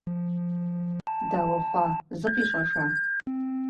Дауэ хъуа, зыкъищӀэжа?